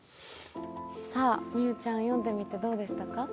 美羽ちゃん読んでみてどうでしたか？